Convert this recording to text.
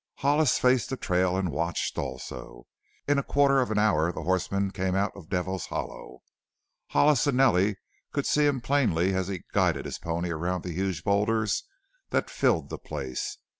Hollis faced the trail and watched also. In a quarter of an hour the horseman came out of Devil's Hollow. Hollis and Nellie could see him plainly as he guided his pony around the huge boulders that filled the place.